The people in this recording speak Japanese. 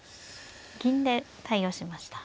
銀で対応しました。